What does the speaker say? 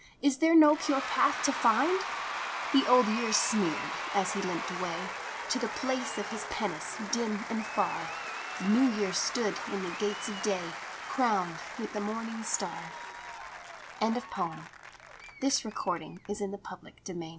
Is there no pure path to find? " The Old Year sneered as he limped away To the place of his penance dim and far. The New Year stood in the gates of day, Crowned with the morning star. THE GREAT TWIN BRETHREN THE battle will not ce